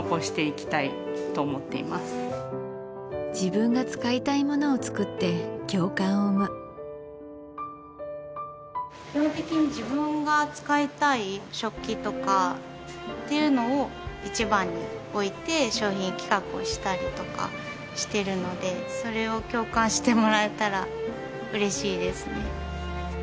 自分が使いたい物を作って共感を生む基本的に自分が使いたい食器とかっていうのを一番において商品企画をしたりとかしてるのでそれを共感してもらえたら嬉しいですね